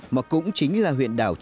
mà cũng chính là huyện đảo sơn trà